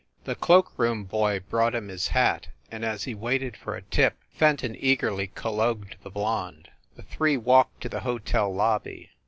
The cloak room boy brought him his hat, and, as he waited for a tip, Fenton eagerly collogued the blonde. The three walked to the hotel lobby.